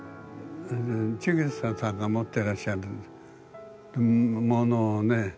チグサさんが持ってらっしゃるものをね